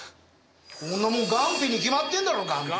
こんなもんガンピに決まってんだろガンピ。